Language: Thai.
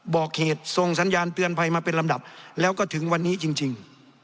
บอกเหตุส่งสัญญาณเตือนภัยมาเป็นลำดับแล้วก็ถึงวันนี้จริง